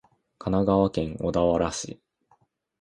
神奈川県小田原市